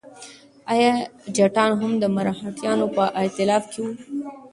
ایا جټان هم د مرهټیانو په ائتلاف کې وو؟